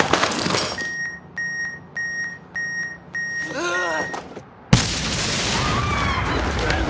うわあっ！